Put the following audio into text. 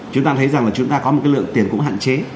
chúng ta thấy rằng là chúng ta có một cái lượng tiền cũng hạn chế